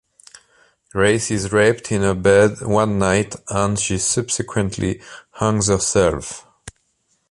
Grace is raped in her bed one night, and she subsequently hangs herself.